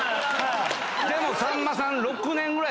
でもさんまさん。